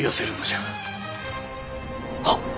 はっ！